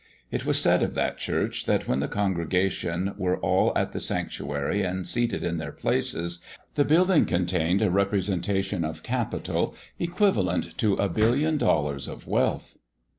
It was said of that church that when the congregation were all at the sanctuary and seated in their places the building contained a representation of capital equivalent to a billion dollars of wealth.